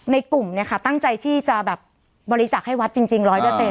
ในกลุ่มเนี่ยค่ะตั้งใจที่จะแบบบริจาคให้วัดจริง๑๐๐